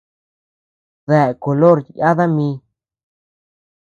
¿Dae color yada mi?